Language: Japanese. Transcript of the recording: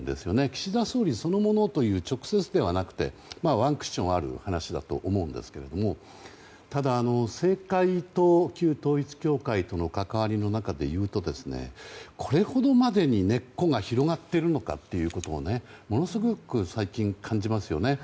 岸田総理そのものという直接ではなくワンクッションある話だと思うんですけどただ、政界と旧統一教会との関わりとの中で言うとこれほどまでに根っこが広がっているのかということをものすごく最近、感じますよね。